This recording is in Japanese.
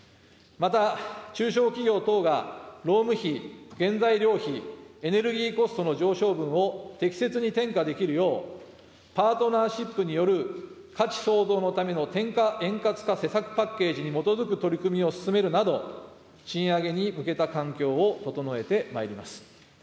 また、中小企業等が労務費、原材料費、エネルギーコストの上昇分を適切に転嫁できるよう、パートナーシップによる価値創造のための転嫁円滑化施策パッケージに基づく取り組みを進めるなど、賃上げに向けた環境を整えてまいります。